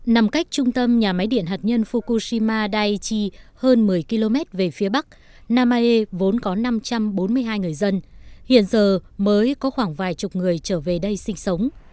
nằm cách trung tâm nhà máy điện hạt nhân fukushima daichi hơn một mươi km về phía bắc nae vốn có năm trăm bốn mươi hai người dân hiện giờ mới có khoảng vài chục người trở về đây sinh sống